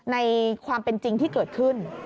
ในความเป็นจริงที่เกิดขึ้น